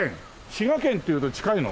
滋賀県っていうと近いの？